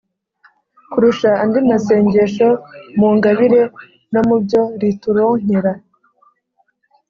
kurusha andi masengesho, mu ngabire no mubyo rituronkera